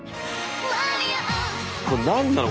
これ何なの？